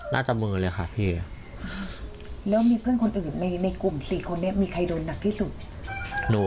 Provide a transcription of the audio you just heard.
เขาใช้อะไรตีหนู